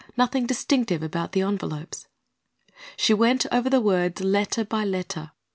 Nothing distinctive about the envelopes. She went over the words letter by letter.